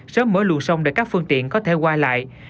sớm mở lùi sông để các phương tiện có thể qua lại